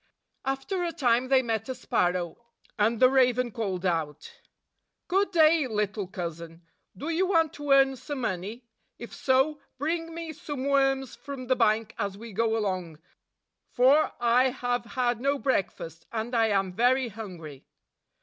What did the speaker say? After a time, they met a sparrow, and the raven called out, "Good day, little cousin! Do you want to earn some money? If so, bring me some worms from the bank as we go along; for I have had no breakfast, and I am very hungry."